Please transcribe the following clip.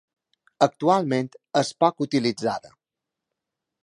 Actualment és poc utilitzada.